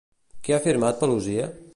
Què ha afirmat Paluzie?